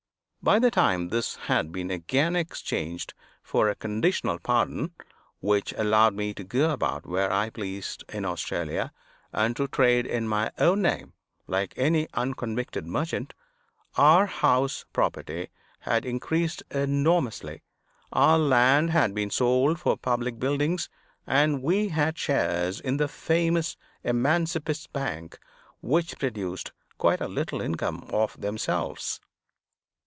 By the time this had been again exchanged for a conditional pardon (which allowed me to go about where I pleased in Australia, and to trade in my own name like any unconvicted merchant) our house property had increased enormously, our land had been sold for public buildings, and we had shares in the famous Emancipist's Bank, which produced quite a little income of themselves.